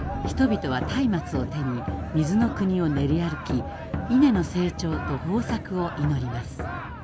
人々は松明を手に水の国を練り歩き稲の成長と豊作を祈ります。